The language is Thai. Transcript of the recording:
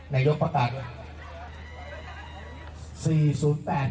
ไหนยกประกาศด้วย